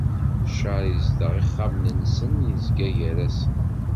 Ccer izdeɣ ixxamen-nsen, izga gar-asen.